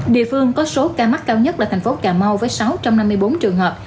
địa phương có số ca mắc cao nhất là thành phố cà mau với sáu trăm năm mươi bốn trường hợp